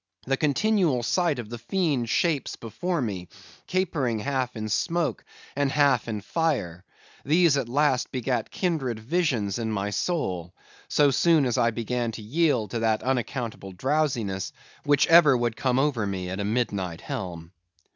The continual sight of the fiend shapes before me, capering half in smoke and half in fire, these at last begat kindred visions in my soul, so soon as I began to yield to that unaccountable drowsiness which ever would come over me at a midnight helm.